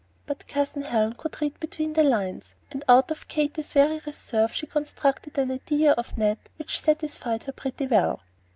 But Cousin Helen could "read between the lines," and out of Katy's very reserve she constructed an idea of Ned which satisfied her pretty well.